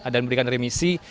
dan diberikan remisi